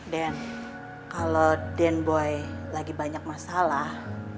dan kalau dan boy lagi banyak masalah